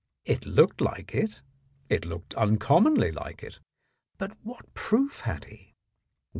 It looked like it; it looked uncommonly like it, but what proof had he?